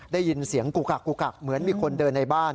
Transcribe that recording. ได้ยินเสียงกุกกักกุกักเหมือนมีคนเดินในบ้าน